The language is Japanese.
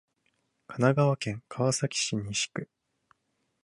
神奈川県川崎市西区